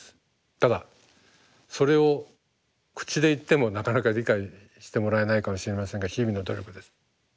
ただそれを口で言ってもなかなか理解してもらえないかもしれませんが日々の努力です。